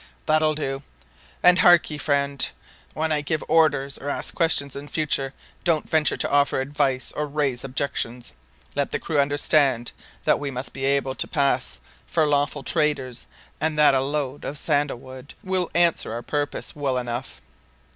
"That will do. And hark ye, friend, when I give orders or ask questions in future, don't venture to offer advice or raise objections. Let the crew understand that we must be able to pass for lawful traders, and that a load of sandal wood will answer our purpose well enough.